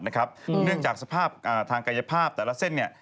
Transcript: เนื่องจากสภาพทางกายภาพแต่ละเส้น